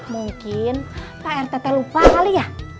mungkin pak rt lupa kali ya